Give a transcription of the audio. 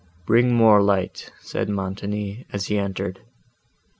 "Bring more light," said Montoni, as he entered.